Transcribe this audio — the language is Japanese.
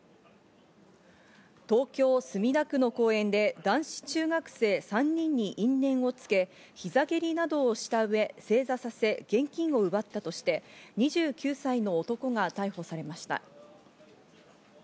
東京・墨田区の公園で男子中学生３人に因縁をつけ、ひざげりなどをしたうえ正座させ、現金を奪ったとして、２９歳の男が逮捕されました。